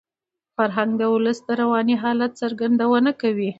فرهنګ د ولس د رواني حالت څرګندونه کوي.